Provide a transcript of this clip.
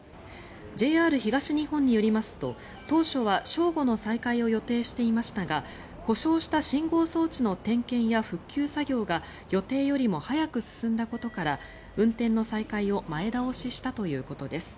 ＪＲ東日本によりますと当初は正午の再開を予定していましたが故障した信号装置の点検や復旧作業が予定よりも早く進んだことから運転の再開を前倒ししたということです。